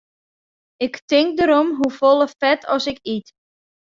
Ik tink derom hoefolle fet as ik yt.